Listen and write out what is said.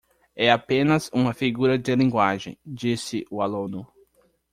É apenas uma figura de linguagem, disse o aluno.